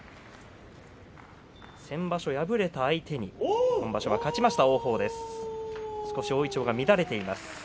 先場所、敗れた相手に今場所は勝ちました王鵬です。